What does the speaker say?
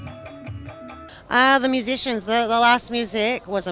musician musician terakhir ini sangat luar biasa sangat luar biasa